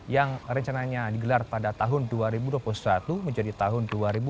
yang rencananya digelar pada tahun dua ribu dua puluh satu menjadi tahun dua ribu dua puluh